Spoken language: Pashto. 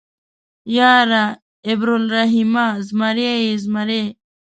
_ياره عبرالرحيمه ، زمری يې زمری.